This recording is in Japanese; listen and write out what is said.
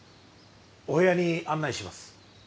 お部屋に案内します。